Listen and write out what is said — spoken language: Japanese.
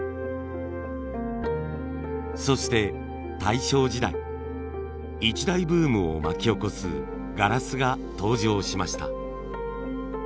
そして大正時代一大ブームを巻き起こすガラスが登場しました。